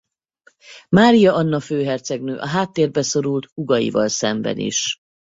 Mária Anna főhercegnő a háttérbe szorult húgaival szemben is.